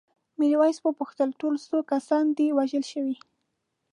میرويس وپوښتل ټول څو کسان دي وژل شوي؟